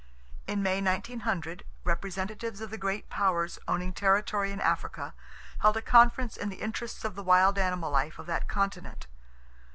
In May, 1900, representatives of the great powers owning territory in Africa held a conference in the interests of the wild animal life of that continent.